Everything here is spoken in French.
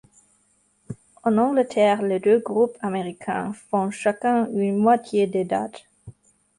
En Angleterre, les deux groupes américains font chacun une moitié des dates.